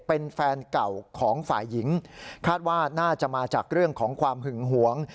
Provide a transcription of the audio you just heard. เป็นแฟนเก่าของฝ่ายหญิงคาดว่าน่าจะมาจากเรื่องของความหึงหวง